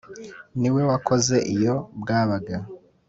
Ni we wakoze iyo bwabaga